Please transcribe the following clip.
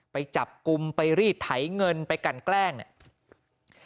ไปจับกลุ่มไปรีดไถเงินไปกันแกล้งเนี่ย